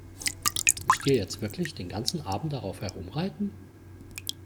Müsst ihr jetzt wirklich den ganzen Abend darauf herumreiten?